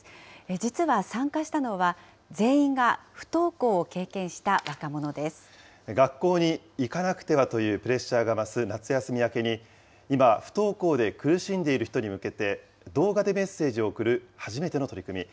実は参加したのは、全員が不登校学校に行かなくてはというプレッシャーが増す夏休み明けに、今、不登校で苦しんでいる人に向けて、動画でメッセージを送る初めての取り組み。